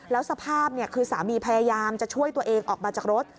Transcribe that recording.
แล้วสภาพคือสามีพยายามจะช่วยตัวเองออกมาจากรถ